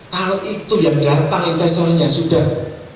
kalau itu yang datang investornya sudah